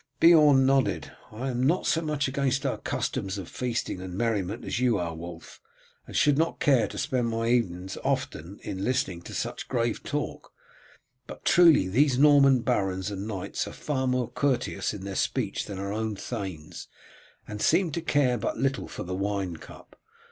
Beorn nodded. "I am not so much against our customs of feasting and merriment as you are, Wulf, and should not care to spend my evenings often in listening to such grave talk, but truly these Norman barons and knights are far more courteous in their speech than our own thanes, and seem to care but little for the wine cup.